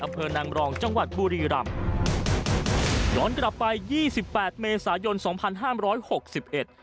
อำเภอนางรองจังหวัดบุรีรำย้อนกลับไปยี่สิบแปดเมษายนสองพันห้ามร้อยหกสิบเอ็ด